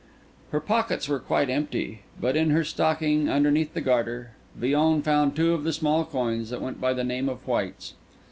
Her pockets were quite empty; but in her stocking, underneath the garter, Villon found two of the small coins that went by the name of whites.